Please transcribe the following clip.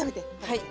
はい。